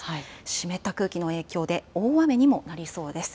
湿った空気の影響で、大雨にもなりそうです。